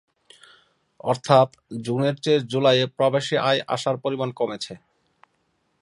অর্থাৎ জুনের চেয়ে জুলাইয়ে প্রবাসী আয় আসার পরিমাণ কমেছে।